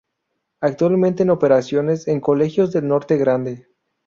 Actualmente en operaciones, en colegios del Norte Grande.